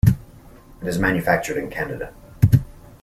It is manufactured in Canada.